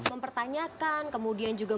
mempertanyakan kemudian juga